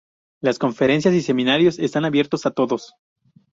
Las conferencias y seminarios están abiertos a todos.